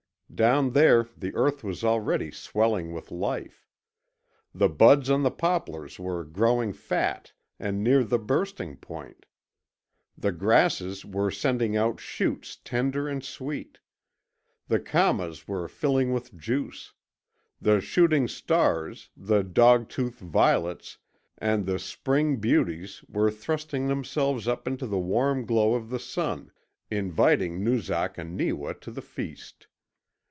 Down there the earth was already swelling with life. The buds on the poplars were growing fat and near the bursting point; the grasses were sending out shoots tender and sweet; the camas were filling with juice; the shooting stars, the dog tooth violets, and the spring beauties were thrusting themselves up into the warm glow of the sun, inviting Noozak and Neewa to the feast.